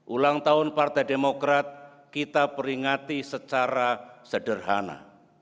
ulang tahun partai demokrat kita peringati secara sederhana